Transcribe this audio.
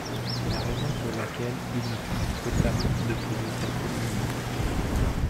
C’est la raison pour laquelle il me paraît souhaitable de poser certaines limites.